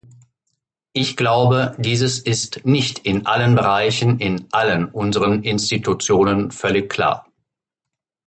Ich glaube, dieses ist nicht in allen Bereichen in allen unseren Institutionen völlig klar.